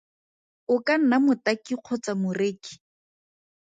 O ka nna motaki kgotsa moreki!